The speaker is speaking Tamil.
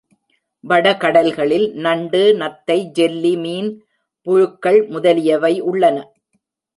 வட கடல்களில் நண்டு நத்தை, ஜெல்லி மீன், புழுக்கள் முதலியவை உள்ளன.